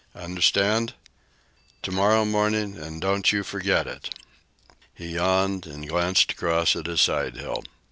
Understand? To morrow morning, an' don't you forget it!" He yawned and glanced across at his side hill.